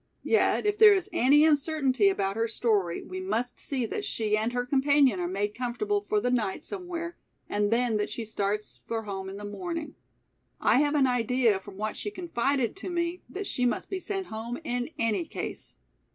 Yet if there is any uncertainty about her story, we must see that she and her companion are made comfortable for the night somewhere and then that she starts for home in the morning. I have an idea from what she confided to me that she must be sent home in any case."